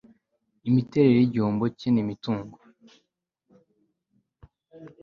imiterere y igihombo cye n imitungo